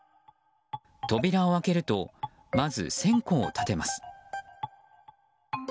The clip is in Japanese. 扉を開けるとまず線香を立てます。